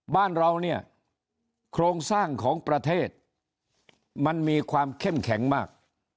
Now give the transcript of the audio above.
บ้านเราเนี่ยโครงสร้างของประเทศมันมีความเข้มแข็งมาก